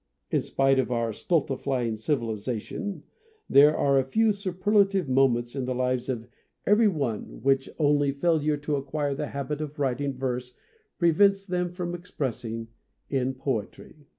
In spite of our stultifying civilization there are a few superlative moments in the lives of every one which only failure to acquire the habit of writing verse prevents them from expressing in poetry.